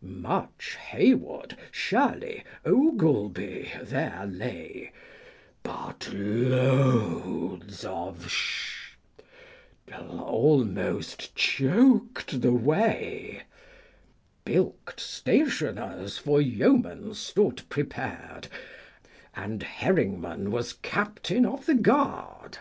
Much Hey wood, Shirley, Ogleby 6 there lay, V But loads of Shadwell almost choked the way. Bilk'd stationers for yeomen stood prepared, And Herringman 7 was captain of the guard.